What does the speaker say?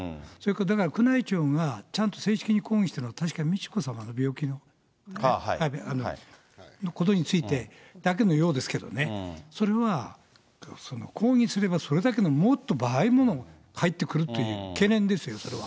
だから宮内庁がちゃんと正式に抗議したのは、確かに美智子さまの病気のことについてだけのようですけどね、それは抗議すれば、それだけのもっと倍のもの、返ってくるという、懸念ですよ、これは。